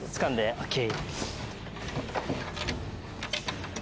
ＯＫ。